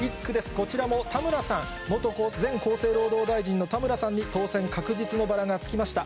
こちらも田村さん、前厚生労働大臣の田村さんに当選確実のバラがつきました。